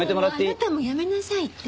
もうあなたもやめなさいって。